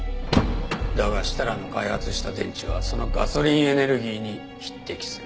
だが設楽の開発した電池はそのガソリンエネルギーに匹敵する。